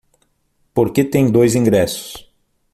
Porque tem dois ingressos